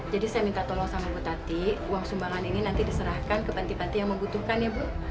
jadi saya minta tolong sama bu tati uang sumbangan ini nanti diserahkan ke panti panti yang membutuhkan ya bu